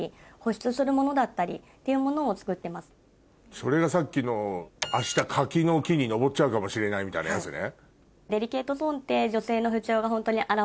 それがさっきの「明日柿の木にのぼっちゃうかもしれない」みたいなやつね？